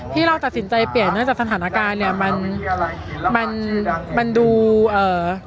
ที่เราตัดสินใจเปลี่ยนเนื่องจากสถานการณ์เนี้ยมันมันดูเอ่อ